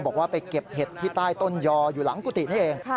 บอกว่าไปเก็บเห็ดที่ใต้ต้นยออยู่หลังกุฏินี่เอง